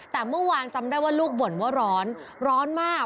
แต่เมื่อวานจำได้ว่าลูกบ่นว่าร้อนร้อนมาก